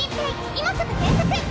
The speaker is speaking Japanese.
今すぐ検索！